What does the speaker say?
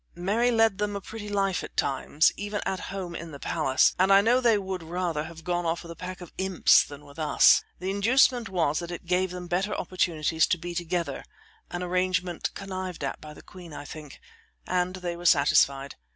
Mary led them a pretty life at all times, even at home in the palace, and I know they would rather have gone off with a pack of imps than with us. The inducement was that it gave them better opportunities to be together an arrangement connived at by the queen, I think and they were satisfied.